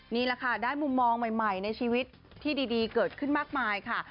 นี่แหละค่ะได้มุมมองใหม่ในชีวิตที่ดีเกิดขึ้นมากมายค่ะ